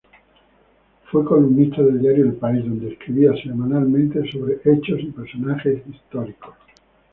Fue columnista del diario "El País", donde escribía semanalmente sobre hechos y personajes históricos.